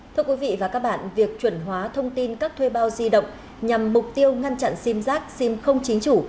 thưa quý vị và các bạn việc chuẩn hóa thông tin các thuê bao di động nhằm mục tiêu ngăn chặn sim giác sim không chính chủ